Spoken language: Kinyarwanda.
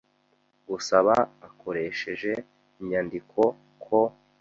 gusaba akoresheje inyandiko ko